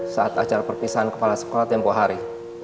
saat acara perpisahan kepala sekolah tempoh hari